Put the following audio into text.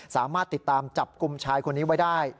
สามารถติดตามจับกลุ่มชายคนนี้ไว้ได้